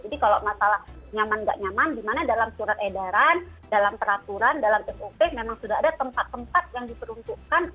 jadi kalau masalah nyaman nggak nyaman di mana dalam surat edaran dalam peraturan dalam sop memang sudah ada tempat tempat yang diseruntukkan untuk dilakukan